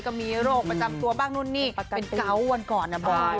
ก็มีโรคประจำตัวบ้างนู่นนี่เป็นเกาะวันก่อนนะบอย